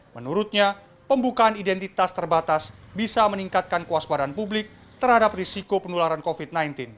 menurutnya pembukaan identitas terbatas bisa meningkatkan kewaspadaan publik terhadap risiko penularan covid sembilan belas